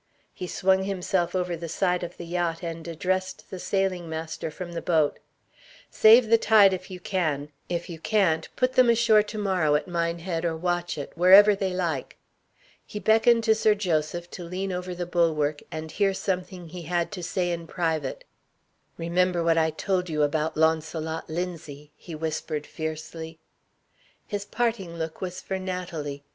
He swung himself over the side of the yacht, and addressed the sailing master from the boat. "Save the tide if you can; if you can't, put them ashore to morrow at Minehead or Watchet wherever they like." He beckoned to Sir Joseph to lean over the bulwark, and hear something he had to say in private. "Remember what I told you about Launcelot Linzie!" he whispered fiercely. His parting look was for Natalie.